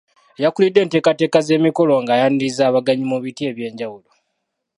Eyakulidde enteekateeka z'emikolo nga ayaniriza abagenyi mu biti eby'enjawulo.